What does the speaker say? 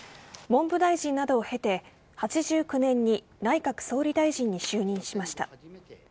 文部大臣などを経て１９８９年に内閣総理大臣に就任しました。